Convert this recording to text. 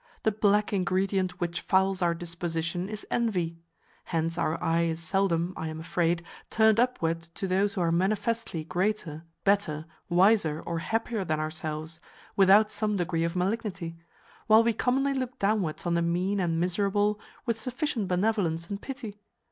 The black ingredient which fouls our disposition is envy. Hence our eye is seldom, I am afraid, turned upward to those who are manifestly greater, better, wiser, or happier than ourselves, without some degree of malignity; while we commonly look downwards on the mean and miserable with sufficient benevolence and pity.